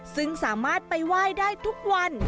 ซึ่งสามารถไปไหว้ได้ทุกวัน